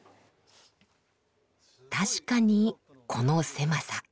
確かにこの狭さ。